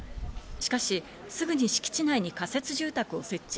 しかし、すぐに敷地内に仮設住宅を設置。